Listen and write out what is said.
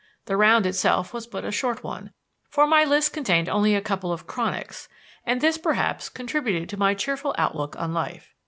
The round itself was but a short one, for my list contained only a couple of "chronics," and this, perhaps, contributed to my cheerful outlook on life.